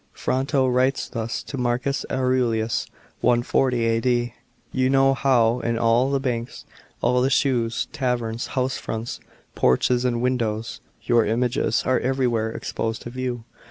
Fronto writes thus to Marcus Aurelius (140 A.D.) :" You know how in all the banks, all the shops, taverns, house fronts, porches, and wmd ws, your images are everywhere exposed to view.